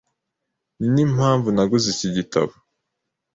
Ninimpamvu naguze iki gitabo .